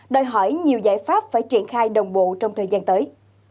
đòi hỏi nhiều giải pháp phải triển khai đồng bộ trong thời gian tới